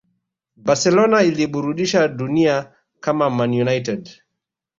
Barcelona iliburdisha dunia kama Man United